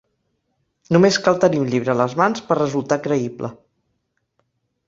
Només cal tenir un llibre a les mans per resultar creïble.